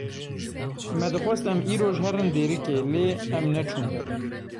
Me dixwest em îroj herin Dêrikê lê em neçûn.